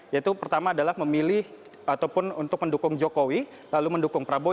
yaitu pertama adalah memilih ataupun untuk mendukung jokowi lalu mendukung prabowo